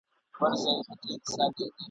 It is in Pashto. کار چي څوک بې استاد وي بې بنیاد وي ..